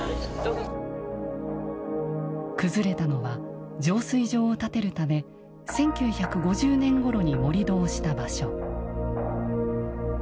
崩れたのは浄水場を建てるため１９５０年ごろに盛土をした場所。